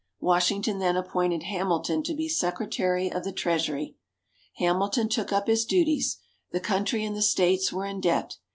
Washington then appointed Hamilton to be Secretary of the Treasury. Hamilton took up his duties. The Country and the States were in debt.